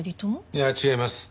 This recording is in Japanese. いや違います。